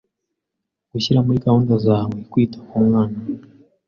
Gushyira muri gahunda zawe kwita ku mwana